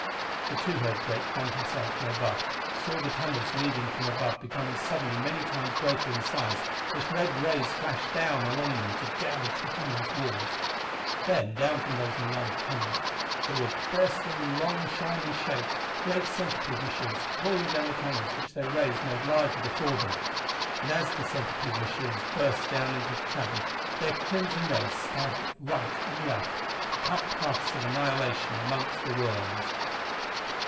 The two heard great thumping sounds from above, saw the tunnels leading from above becoming suddenly many times greater in size as red rays flashed down along them to gouge the tunnel's walls. Then down from those enlarged tunnels there were bursting long shining shapes, great centipede machines crawling down the tunnels which their rays made larger before them! And as the centipede machines burst down into the cavern their crimson rays stabbed right and left to cut paths of annihilation among the worms.